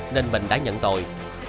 nên mình đã nhận tội